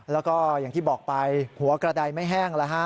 แล้วก็อย่างที่บอกไปหัวกระดายไม่แห้งแล้วฮะ